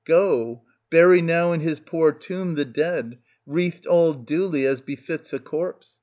Go, bury now in his poor tomb the dead, wreathed all duly as befits a corpse.